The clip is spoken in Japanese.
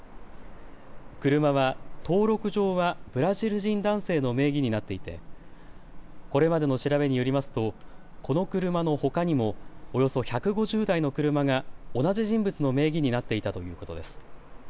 車は登録上はブラジル人男性の名義になっていてこれまでの調べによりますとこの車のほかにもおよそ１５０台の車が同じ人物の名義になっていたということです。